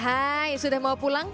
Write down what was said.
ahai sudah mau pulang